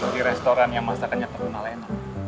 di restoran yang masakannya terlalu enak